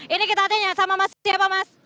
ini kita tanya sama siapa mas